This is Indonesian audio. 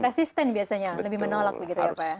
resisten biasanya lebih menolak begitu ya pak ya